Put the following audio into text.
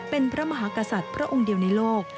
เป็นพระมหากษัตริย์พระองค์เดียวในโลก